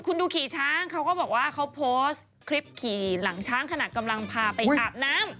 คุณดูขี่ช้างเขาก็บอกว่าเขาโพสต์คลิปขี่หลังช้างขนาดกำลังพาไปอาบน้ำ